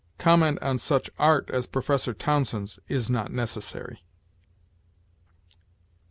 Comment on such "art" as Professor Townsend's is not necessary.